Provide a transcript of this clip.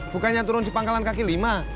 bukannya turun di pangkalan kaki lima